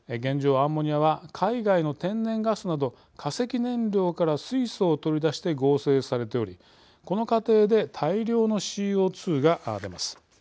アンモニアは海外の天然ガスなど化石燃料から水素を取り出して合成されておりこの過程で大量のＣＯ２が出ます。